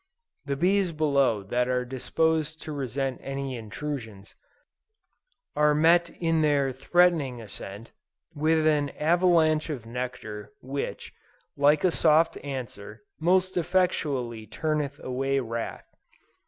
The bees below that are disposed to resent any intrusions, are met in their threatening ascent, with an avalanche of nectar which "like a soft answer," most effectually "turneth away wrath."